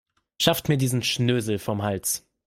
Schafft mir diesen Schnösel vom Hals.